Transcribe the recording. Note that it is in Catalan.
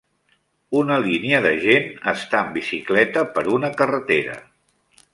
Una línia de gent està en bicicleta per una carretera.